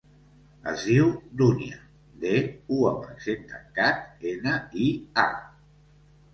Es diu Dúnia: de, u amb accent tancat, ena, i, a.